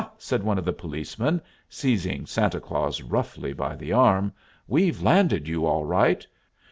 said one of the police, seizing Santa Claus roughly by the arm. "We've landed you, all right!